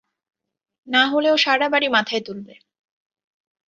না হলে ও সারা বাড়ি মাথায় তুলবে।